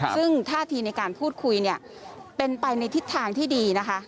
ซึ่งท่าทีในการพูดคุยเนี่ยเป็นไปในทิศทางที่ดีนะคะ